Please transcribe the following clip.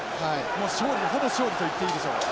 もう勝利ほぼ勝利といっていいでしょう。